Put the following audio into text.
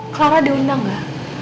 clara diundang gak